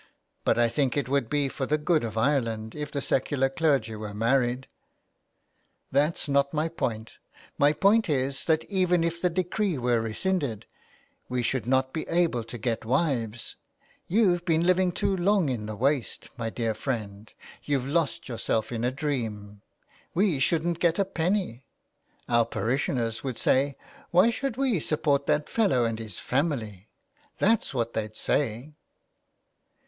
But I think it would be for the good of Ireland if the secular clergy were married.^' *' That's not my point. My point is that even if the decree were rescinded we should not be able to get wives. YouVe been living too long in the waste, my dear friend. YouVe lost yourself in a dream. We shouldn't get a penny. Our parishioners would say, ' Why should we support that fellow and his family ?' That's what they'd say."